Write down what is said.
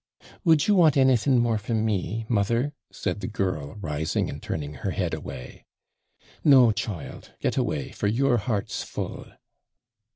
'Would you want anything more from me, mother?' said the girl, rising and turning her head away. 'No, child; get away, for your heart's full.'